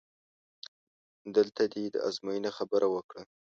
دلته دې د ازموینې خبره وکړه؟!